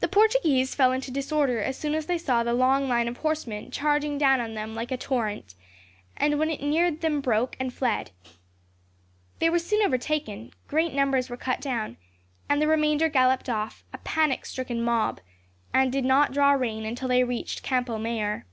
The Portuguese fell into disorder as soon as they saw the long line of horsemen charging down on them like a torrent, and when it neared them broke and fled. They were soon overtaken, great numbers were cut down, and the remainder galloped off, a panic stricken mob, and did not draw rein until they reached Campo Mayor.